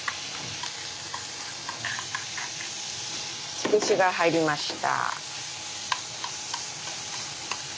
つくしが入りました。